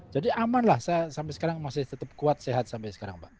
jadi amanlah saya sampai sekarang masih tetap kuat sehat sampai sekarang pak